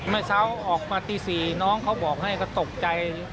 เมื่อเช้าออกมาตี๔น้องเขาบอกให้ก็ตกใจ